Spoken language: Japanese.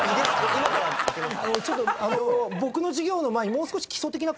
今から行けますか？